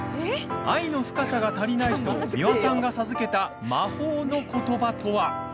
愛の深さが足りないと美輪さんが授けた魔法のことばとは？